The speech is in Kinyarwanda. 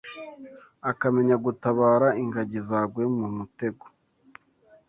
Akamenya gutabara ingagi zaguye mu mutego